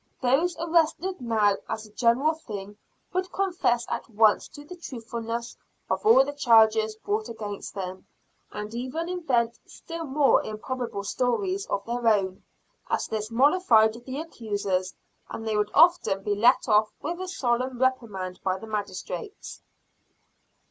Those arrested now, as a general thing, would confess at once to the truthfulness of all the charges brought against them, and even invent still more improbable stories of their own, as this mollified the accusers, and they often would be let off with a solemn reprimand by the magistrates.